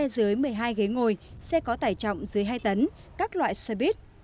dưới một mươi hai ghế ngồi xe có tải trọng dưới hai tấn các loại xe buýt